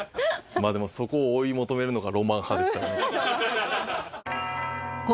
まあでもそこを追い求めるのがロマン派ですからね。